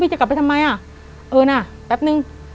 บีจะกลับไปทำไมเออนะแป๊บหนึ่ง